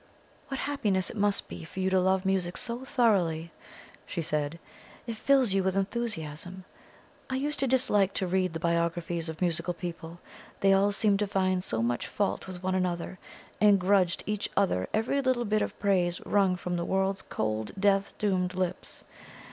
"What happiness it must be for you to love music so thoroughly!" she said. "It fills you with enthusiasm. I used to dislike to read the biographies of musical people; they all seemed to find so much fault with one another, and grudged each other every little bit of praise wrung from the world's cold, death doomed lips.